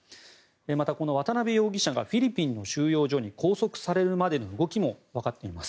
また、この渡邉容疑者がフィリピンの収容所に拘束されるまでの動きもわかってきています。